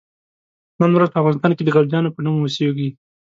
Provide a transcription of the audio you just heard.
نن ورځ په افغانستان کې د غلجیانو په نوم اوسیږي.